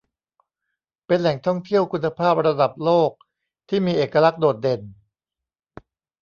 เป็นแหล่งท่องเที่ยวคุณภาพระดับโลกที่มีเอกลักษณ์โดดเด่น